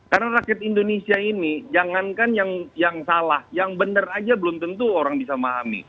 karena rakyat indonesia ini jangankan yang salah yang bener aja belum tentu orang bisa pahami